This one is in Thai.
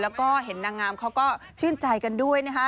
แล้วก็เห็นนางงามเขาก็ชื่นใจกันด้วยนะคะ